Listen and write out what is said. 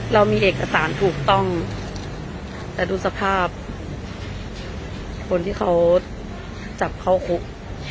เรามีเอกสารถูกต้องแต่ดูสภาพคนที่เขาจับเข้าคุก